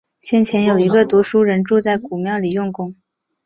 先前，有一个读书人住在古庙里用功